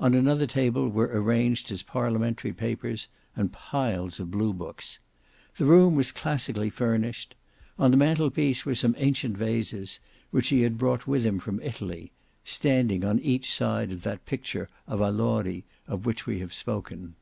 On another table were arranged his parliamentary papers, and piles of blue books. The room was classically furnished. On the mantelpiece were some ancient vases, which he had brought with him from Italy, standing on each side of that picture of Allori of which we have spoken.